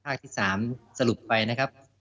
ภาคสิกษารสรุปไปนะครับ